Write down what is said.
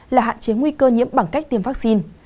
là hạn chế nguy cơ nhiễm bằng cách tiêm vaccine